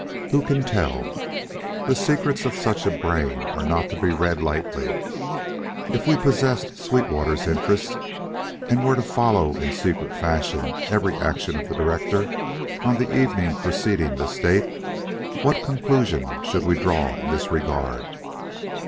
Who can tell? The secrets of such a brain are not to be read lightly. If we possessed Sweetwater's interest, and were to follow in secret fashion every action of the director on the evening preceding this date, what conclusion should we draw in this regard?